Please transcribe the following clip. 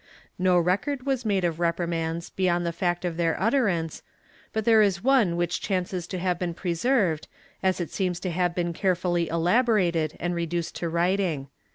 ^ No record was made of reprimands, beyond the fact of their utterance, but there is one which chances to have been preserved as it seems to have been carefully elaborated and reduced to writing.